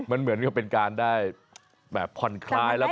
มันเหมือนกับเป็นการได้แบบผ่อนคลายแล้ว